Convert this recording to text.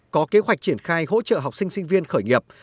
có kế hoạch triển khai hỗ trợ học sinh sinh viên khởi nghiệp